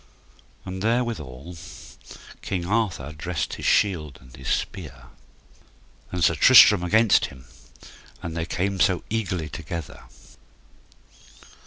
And there withal King Arthur dressed his shield and his spear, and Sir Tristram against him, and they came so eagerly together.